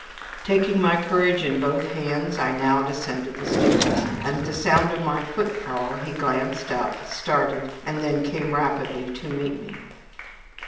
Taking my courage in both hands, I now descended the stairs, and at the sound of my footfall he glanced up, started, and then came rapidly to meet me.